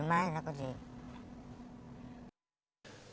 gimana takut sih